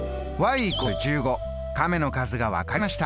亀の数が分かりました。